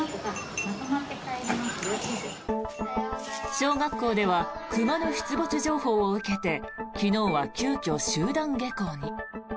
小学校では熊の出没情報を受けて昨日は、急きょ集団下校に。